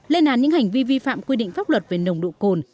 lên án những hành vi vi phạm quy định pháp luật về nồng độ cồn